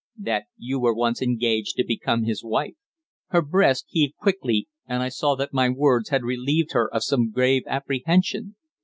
"That you were once engaged to become his wife." Her breast heaved quickly, and I saw that my words had relieved her of some grave apprehension.